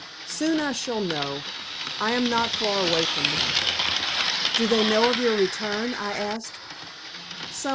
Soon I shall know. I am not far away from them." "Do they know of your return?" I asked.